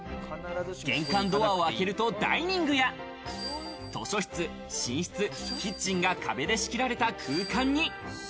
玄関ドアを開けるとダイニングや図書室、寝室、キッチンが壁で仕切られた空間に。